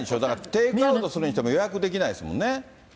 テイクアウトするにしても予約できないですもんね。